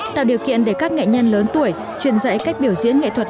tạo điều kiện để các nghệ nhân lớn tuổi truyền dạy cách biểu diễn